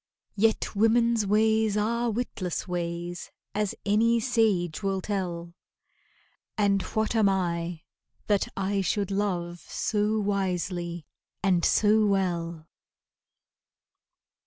Yet women's ways are witless ways, As any sage will tell, And what am I, that I should love So wisely and so well?